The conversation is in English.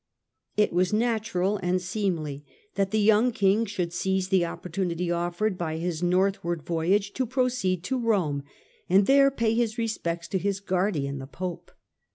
It was natural and seemly that the young King should seize the opportunity offered by his northward voyage to proceed to Rome and there pay his respects to his guardian, the Pope.